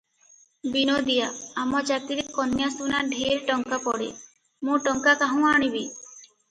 ବିନୋଦିଆ -ଆମ ଜାତିରେ କନ୍ୟାସୁନା ଢେର ଟଙ୍କା ପଡ଼େ, ମୁଁ ଟଙ୍କା କାହୁଁ ଆଣିବି?